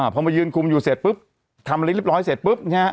พอมายืนคุมอยู่เสร็จปุ๊บทำลิ้นเรียบร้อยเสร็จปุ๊บ